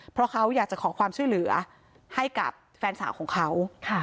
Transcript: เพราะเขาอยากจะขอความช่วยเหลือให้กับแฟนสาวของเขา